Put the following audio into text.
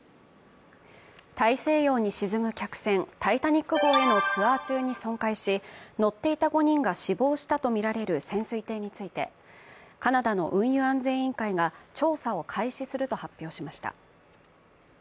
大西洋に沈む客船、「タイタニック」号へのツアー中に損壊し、乗っていた５人が死亡したとみられる潜水艇についてカナダの運輸安全委員会が調査を開始すると発表しました。